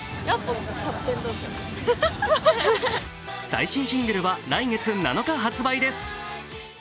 最新シングルは来月７日発売です